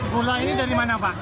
gula ini dari mana pak